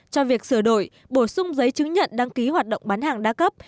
cho việc sửa đổi bổ sung giấy chứng nhận đăng ký hoạt động bán hàng đa cấp